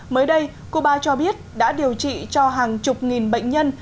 mới đây cuba cho biết đã điều trị cho hàng chục nghìn bệnh nhân